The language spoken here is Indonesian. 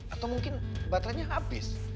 atau mungkin baterainya habis